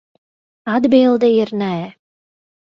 Atbilde ir nē.